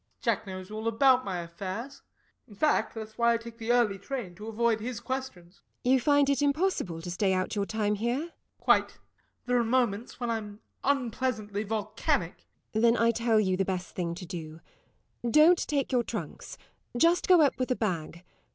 Jack knows all about my affairs; in fact, that's why I take the early train, to avoid his questions. LADY TORMINSTER. You find it impossible to stay out your time here? SIR GEOFFREY. Quite. There are moments when I am unpleasantly volcanic. LADY TORMINSTER. Then I tell you the best thing to do. Don't take your trunks; just go up with a bag.